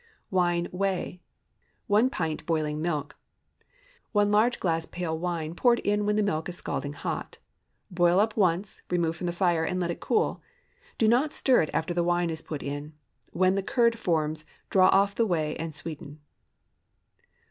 WINE WHEY. 1 pint boiling milk. 1 large glass pale wine, poured in when the milk is scalding hot. Boil up once, remove from the fire and let it cool. Do not stir it after the wine is put in. When the curd forms, draw off the whey and sweeten.